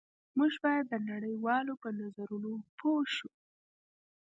موږ باید د نړۍ والو په نظرونو پوه شو